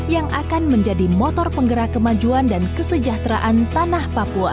yang akan menjadi motor penggerak kemajuan dan kesejahteraan tanah papua